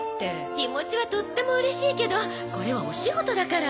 気持ちはとってもうれしいけどこれはお仕事だから。